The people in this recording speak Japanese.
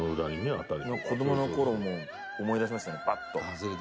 子供の頃も思い出しましたね、パッと。